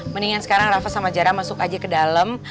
mendingan sekarang rafa sama jara masuk aja ke dalem